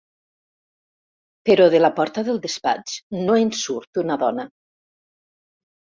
Però de la porta del despatx no en surt una dona.